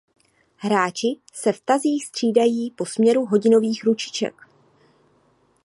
Hráči se v tazích střídají po směru hodinových ručiček.